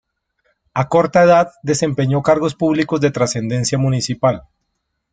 A corta edad desempeño cargos públicos de trascendencia municipal.